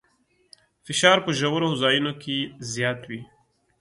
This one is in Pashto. فشار په ژورو ځایونو کې زیات وي.